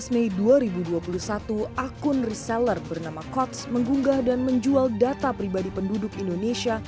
tujuh belas mei dua ribu dua puluh satu akun reseller bernama kots menggugah dan menjual data pribadi penduduk indonesia